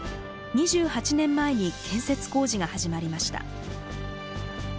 ２８年前に建設工事が始まりました。